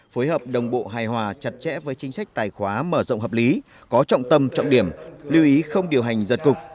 phối hợp đồng bộ hài hòa chặt chẽ với chính sách tài khoá mở rộng hợp lý có trọng tâm trọng điểm lưu ý không điều hành giật cục